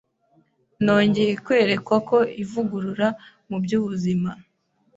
nongeye kwerekwa ko ivugurura mu by’ubuzima